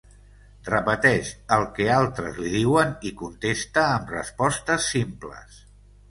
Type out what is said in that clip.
Repeteix el que altres li diuen i contesta amb respostes simples.